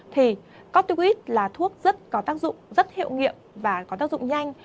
thì cottubit là thuốc rất có tác dụng rất hiệu nghiệm và có tác dụng nhanh